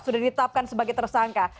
sudah ditetapkan sebagai tersangka